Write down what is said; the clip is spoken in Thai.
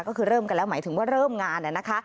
ก็คือเริ่มกันแล้วหมายถึงว่าเริ่มงานนะคะ